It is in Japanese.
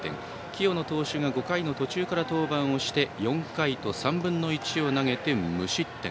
清野投手が５回途中から登板をして４回と３分の１を投げて無失点。